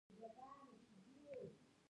په دې وحشیانه پېښه کې زرګونه بزګران ووژل شول.